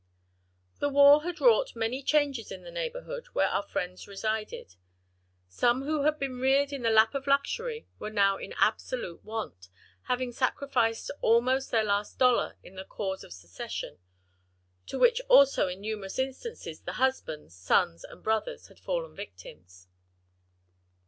The war had wrought many changes in the neighborhood where our friends resided; some who had been reared in the lap of luxury were now in absolute want, having sacrificed almost their last dollar in the cause of secession; to which also in numerous instances, the husbands, sons and brothers had fallen victims.